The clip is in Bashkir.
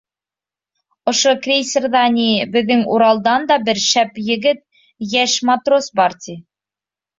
Ошо крейсерҙа, ни, беҙҙең Уралдан да бер шәп егет, йәш матрос бар, ти.